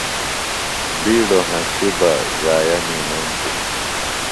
بِیڈوۡ ہنسیۡ بےضائع می نُم بِھلیۡ۔